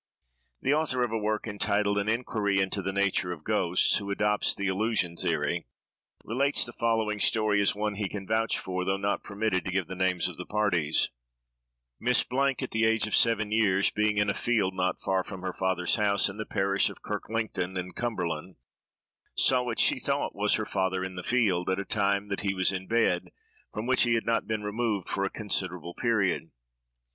The author of a work entitled "An Inquiry into the Nature of Ghosts," who adopts the illusion theory, relates the following story, as one he can vouch for, though not permitted to give the names of the parties:— "Miss ——, at the age of seven years, being in a field not far from her father's house, in the parish of Kirklinton, in Cumberland, saw what she thought was her father in the field, at a time that he was in bed, from which he had not been removed for a considerable period.